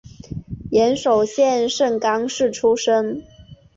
岩手县盛冈市出身。